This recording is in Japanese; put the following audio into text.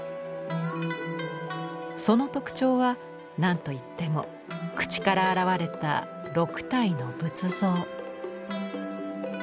その特徴は何といっても口から現れた６体の仏像。